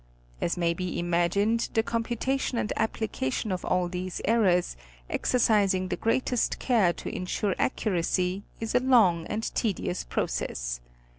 As may be imagined the computation and application of all these errors, exercising the greatest care to msure accuracy is a long and tedious process.